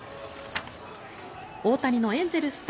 大谷のエンゼルス対